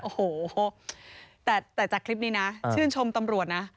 โอ้โหแต่จากคลิปนี้นะชื่นชมตำรวจนะ